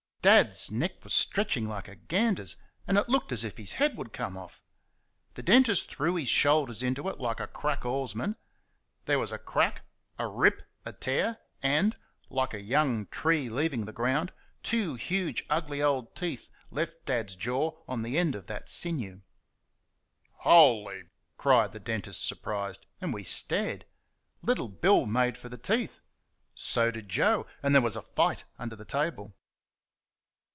Dad's neck was stretching like a gander's, and it looked as if his head would come off. The dentist threw his shoulders into it like a crack oarsman there was a crack, a rip, a tear, and, like a young tree leaving the ground, two huge, ugly old teeth left Dad's jaw on the end of that sinew. "Holy!" cried the dentist, surprised, and we stared. Little Bill made for the teeth; so did Joe, and there was a fight under the table.